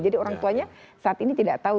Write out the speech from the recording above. jadi orang tuanya saat ini tidak tahu